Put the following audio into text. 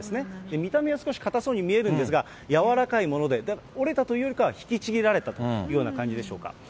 見た目は少し硬そうに見えるんですが、柔らかいもので、折れたというよりかは引きちぎられたという感じでしょうか。